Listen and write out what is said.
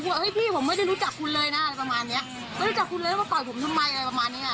โมนเหตุจริงไม่รู้เรื่องเลยไม่รู้จักแล้วก็ไม่รู้มันนั่งโต๊ะไหนด้วย